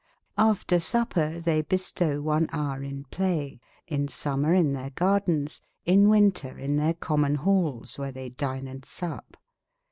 if t^BR supper tbey bestow one houre in playe : in summer in their gardens : in winter in their comm en halles : where they din e ^ suppe.